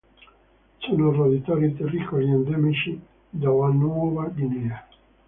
Sono roditori terricoli endemici della Nuova Guinea.